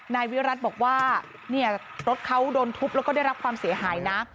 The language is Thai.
นายวิรัติบอกว่าเนี่ยรถเขาโดนทุบแล้วก็ได้รับความเสียหายนะ